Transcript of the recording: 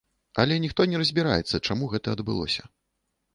Але ніхто не разбіраецца, чаму гэта адбылося.